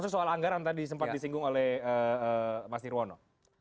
soal anggaran tadi sempat disinggung oleh mas nirwono